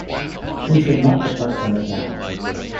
We should not depart from it now.